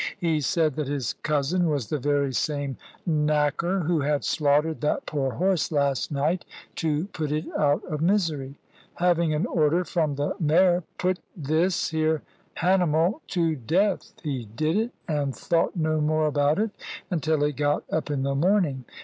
He said that his cousin was the very same knacker who had slaughtered that poor horse last night, to put it out of misery. Having an order from the mayor, "Putt thiss here hannimall to deth," he did it, and thought no more about it, until he got up in the morning.